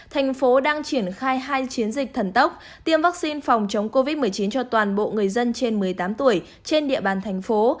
thành phố đang triển khai hai chiến dịch thần tốc tiêm vaccine phòng chống covid một mươi chín cho toàn bộ người dân trên một mươi tám tuổi trên địa bàn thành phố